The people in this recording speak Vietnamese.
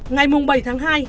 ngày bảy tháng hai